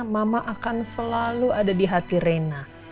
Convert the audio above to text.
mama akan selalu ada di hati reina